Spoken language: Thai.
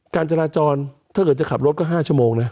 การจราจรถ้าเกิดจะขับรถก็๕ชั่วโมงนะ